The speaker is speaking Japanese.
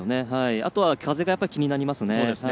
あとは風が気になりますね。